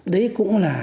đấy cũng là